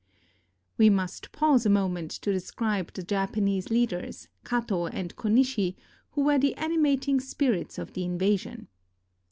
We must pause a moment to describe the Japanese leaders, Kato and Konishi, who were the animating 267 KOREA spirits of the invasion.